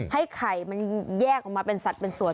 ให้ไข่มันแยกออกมาเป็นสัตว์เป็นส่วน